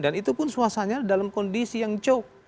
dan itu pun suasanya dalam kondisi yang jok